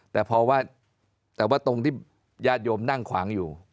แต่พอว่าแต่ว่าตรงที่ญาติโยมนั่งขวางอยู่